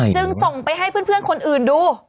จึงส่งไปให้เพื่อนคนอื่นดู